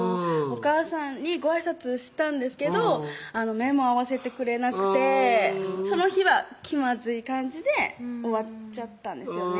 おかあさんにごあいさつしたんですけど目も合わせてくれなくてその日は気まずい感じで終わっちゃったんですよね